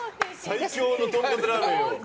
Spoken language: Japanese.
最強の豚骨ラーメンを。